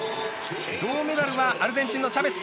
銅メダルはアルゼンチンのチャベス。